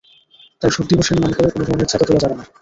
তাই শোক দিবসের নাম করে কোনো ধরনের চাঁদা তোলা যাবে না।